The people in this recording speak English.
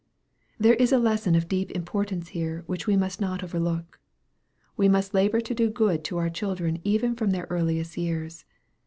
There is a lesson of deep importance here which we must not overlook. We must labor to do good to our children even from their earliest years.